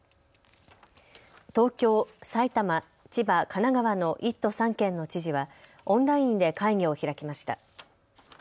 東京、埼玉、千葉、神奈川の１都３県の知事はオンラインで会議を開きました。